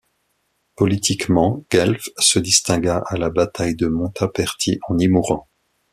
Politiquement guelfes, se distingua à la bataille de Montaperti en y mourant.